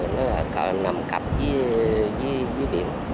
nó là càng nằm cặp dưới biển